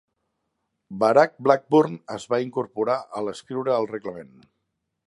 Barak Blackburn es va incorporar per escriure el reglament.